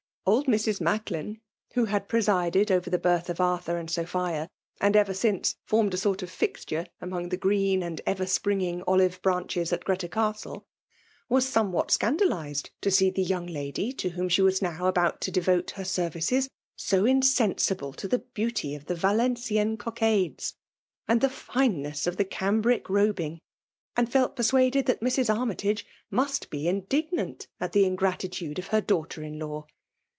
Old Mrs. Macklin, who had pre sided oirer the birth of Arthur and Sophia, and e^er sihoe formed a sort of fixture among the 302 VEHALB D0MIVATI09. green and efer springing olive bianehes at Oreta Castle^ was ;K>mewhat scandalized to see the young lady to whom she was now about to devote her services^ so insennUe to the beauty of the Valenciennes cockades, and the fineness of the cambric robing ; and felt per* suaded that Mrs. Armytage must be indig nant at the ingratitude of her daughter in law.